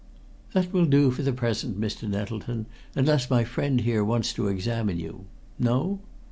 "That will do for the present, Mr. Nettleton, unless my friend here wants to examine you. No?